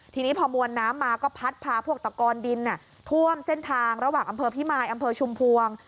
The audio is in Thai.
ทีนี้พอมวลน้ำมาก็พัดพาพวกตะกอนดินท่วมเส้นทางระหว่างอำเภอพิมายอำเภอชุมพวง